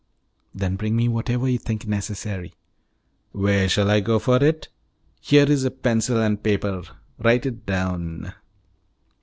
"Then bring me whatever you think necessary." "Where shall I go for it? Here is a pencil and paper; write it down."